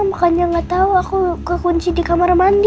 makanya gak tau aku ke kunci di kamar mandi